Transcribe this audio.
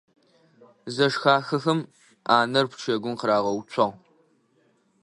Зэшхахэхэм ӏанэр пчэгум къырагъэуцуагъ.